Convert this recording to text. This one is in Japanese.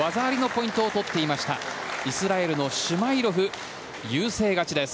イスラエルのシュマイロフ優勢勝ちです。